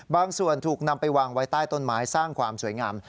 ถูกนำไปวางไว้ใต้ต้นไม้สร้างความสวยงาม